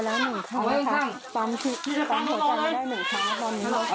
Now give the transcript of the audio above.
ต่อหน้านี้เหมือนลมหายใจไปแล้วหนึ่งครั้งนะคะ